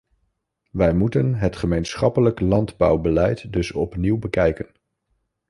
Wij moeten het gemeenschappelijk landbouwbeleid dus opnieuw bekijken.